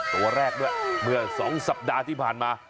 ตัวแรกด้วยเมื่อ๒สัปดาห์ที่ผ่านมา